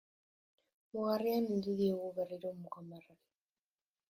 Mugarrian heldu diogu berriro muga marrari.